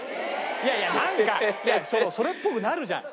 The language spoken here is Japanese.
いやいやなんかそれっぽくなるじゃん。